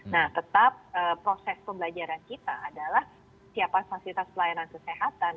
nah tetap proses pembelajaran kita adalah siapa fasilitas pelayanan kesehatan